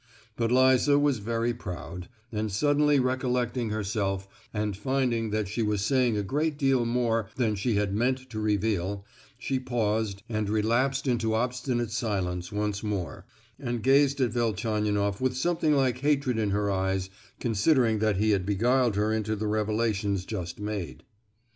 But Liza was very proud, and suddenly recollecting herself and finding that she was saying a great deal more than she had meant to reveal, she paused, and relapsed into obstinate silence once more, and gazed at Velchaninoff with something like hatred in her eyes, considering that he had beguiled her into the revelations just made.